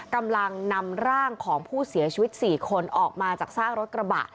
กำลังนำร่างของผู้เสียชีวิต๔คนออกมาจากซากรถกระบะ